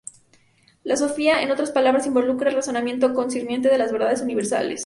La "sofía", en otras palabras, involucra el razonamiento concerniente a las verdades universales.